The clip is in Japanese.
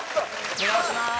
お願いします！